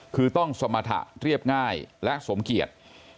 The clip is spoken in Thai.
คือต้องสมรรถะเรียบง่ายและสมเกียจ